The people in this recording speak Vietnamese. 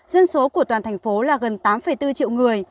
dân số của toàn thành phố là gần tám bốn triệu người